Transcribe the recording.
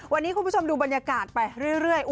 วันนี้คุณผู้ชมดูบรรยากาศไปเรื่อย